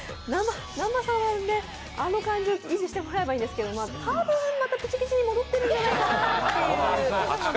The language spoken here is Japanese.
南波さんはあの感じを維持してもらえればいいんですけど多分またピチピチに戻ってるんじゃないかなっていう。